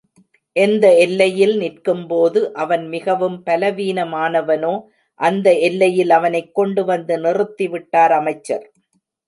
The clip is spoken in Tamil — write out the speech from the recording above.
எந்த எல்லையில் நிற்கும்போது அவன் மிகவும் பலவீனமானவனோ அந்த எல்லையில் அவனைக் கொண்டுவந்து நிறுத்திவிட்டார் அமைச்சர்.